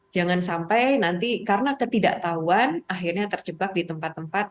jangan sampai nanti karena ketidaktahuan akhirnya terjebak di tempat tempat